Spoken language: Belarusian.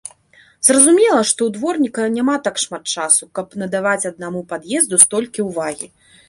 Зразумела, што ў дворніка няма так шмат часу, каб надаваць аднаму пад'езду столькі ўвагі.